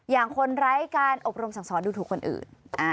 อย่างคนไร้การอบรมสั่งสอนดูถูกคนอื่น